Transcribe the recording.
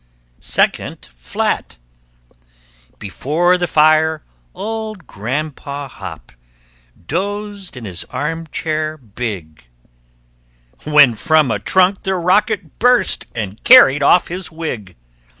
[Illustration: FIRST FLAT] SECOND FLAT Before the fire old Grandpa Hopp Dozed in his arm chair big, When from a trunk the rocket burst And carried off his wig!